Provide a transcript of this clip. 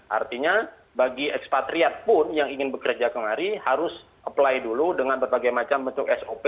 artinya bagi ekspatriat pun yang ingin bekerja kemari harus apply dulu dengan berbagai macam bentuk sop